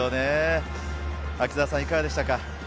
秋澤さん、いかがでしたか？